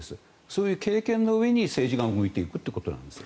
そういう経験の上に政治が向いていくということなんです。